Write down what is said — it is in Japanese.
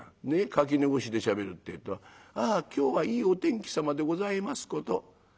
垣根越しでしゃべるってえと『ああ今日はいいお天気さまでございますこと。